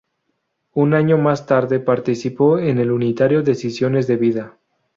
Un año más tarde participó en el unitario Decisiones de vida.